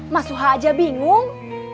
mas suha aja bingung